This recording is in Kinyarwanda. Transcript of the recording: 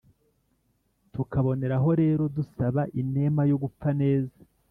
tukaboneraho rero dusaba inema yo gupfa neza